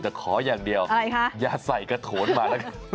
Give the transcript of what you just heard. แต่ขอยังเดียวอย่าใส่กะโถนมา